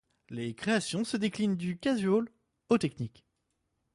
Les créations se déclinent du casual au technique.